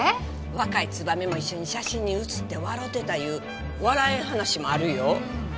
若いツバメも一緒に写真に写って笑うてたいう笑えん話もあるよ。